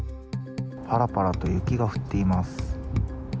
ぱらぱらと雪が降っています。